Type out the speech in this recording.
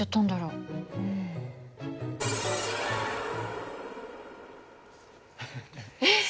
うん。えっ？